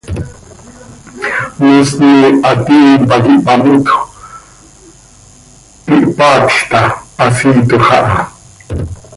Moosni hatiin pac ihpamotjö, ihpaatj ta, hasiiitoj aha.